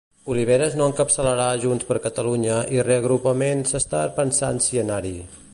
Oliveres no encapçalarà Junts per Catalunya i Reagrupament s'està pensant si anar-hi.